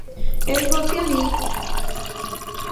E es vòsti amics?